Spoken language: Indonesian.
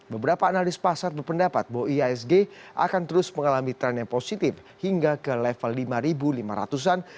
beberapa analis pasar berpendapat bahwa iasg akan terus mengalami tren yang positif hingga ke level lima lima ratus an